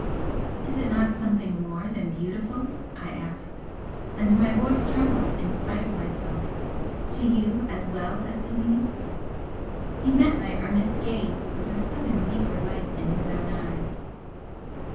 "Is it not something more than beautiful?" I asked, and my voice trembled in spite of myself "To you as well as to me?" He met my earnest gaze with a sudden deeper light in his own eyes.